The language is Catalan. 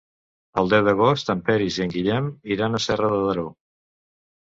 El deu d'agost en Peris i en Guillem iran a Serra de Daró.